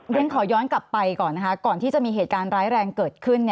เรียนขอย้อนกลับไปก่อนนะคะก่อนที่จะมีเหตุการณ์ร้ายแรงเกิดขึ้น